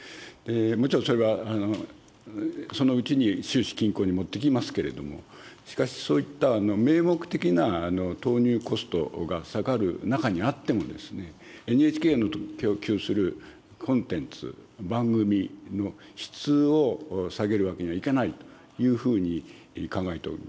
もちろん、それはそのうちに収支均衡に持ってきますけれども、しかし、そういった名目的な投入コストが下がる中にあっても、ＮＨＫの供給するコンテンツ、番組の質を下げるわけにはいかないというふうに考えております。